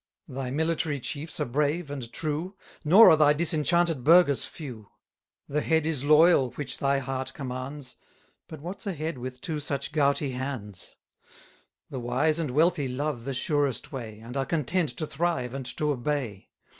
Thy military chiefs are brave and true; Nor are thy disenchanted burghers few. 180 The head is loyal which thy heart commands, But what's a head with two such gouty hands? The wise and wealthy love the surest way, And are content to thrive and to obey.